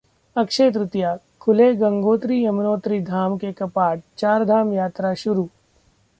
अक्षय तृतीया: खुले गंगोत्री-यमुनोत्री धाम के कपाट, चारधाम यात्रा शुरू